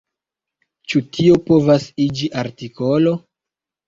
Ĉu tio povas iĝi artikolo?